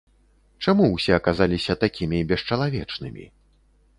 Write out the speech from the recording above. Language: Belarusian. Чаму ўсе аказаліся такімі бесчалавечнымі?